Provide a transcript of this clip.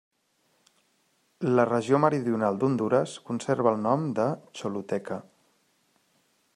La regió meridional d'Hondures conserva el nom de Choluteca.